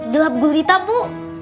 gelap gulita bu